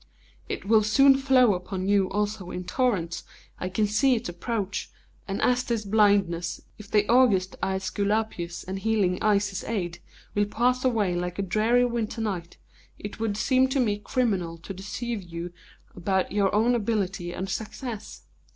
It will soon flow upon you also in torrents, I can see its approach, and as this blindness, if the august Aesculapius and healing Isis aid, will pass away like a dreary winter night, it would seem to me criminal to deceive you about your own ability and success.